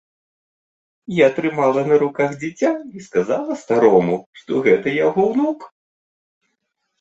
Я трымала на руках дзіця і сказала старому, што гэта яго ўнук.